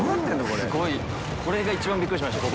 これが一番ビックリしました